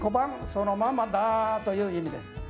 そのままだという意味です。